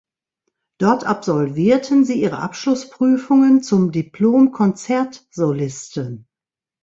Dort absolvierten sie ihre Abschlussprüfungen zum Diplom-Konzertsolisten.